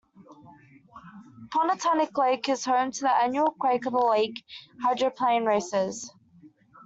Pontiac Lake is home to the annual "Quake on the Lake" hydroplane races.